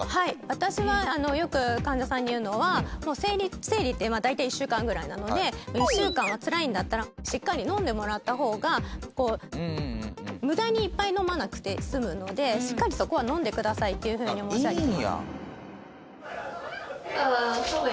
私はよく患者さんに言うのは生理って大体１週間ぐらいなので１週間はつらいんだったらしっかり飲んでもらった方がこう無駄にいっぱい飲まなくて済むのでしっかりそこは飲んでくださいっていうふうに申し上げてます。